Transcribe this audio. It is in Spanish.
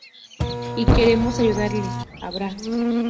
¡ queremos ayudarle! ¡ abra!